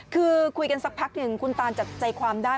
คือคุยกันสักพักหนึ่งคุณตานจับใจความได้